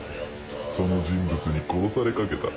その人物に殺されかけた。